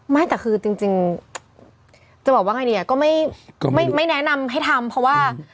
ไม่แต่คือจริงจะบอกว่าไงเนี่ยก็ไม่แนะนำให้ทำเพราะว่า